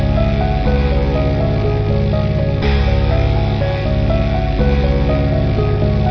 จริงได้คุยกับคนในบริการหลายที่นะคะ